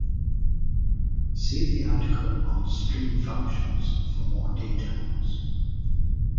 See the article on string functions for more details.